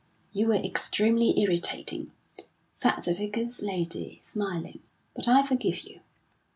"You were extremely irritating," said the Vicar's lady, smiling, "but I forgive you.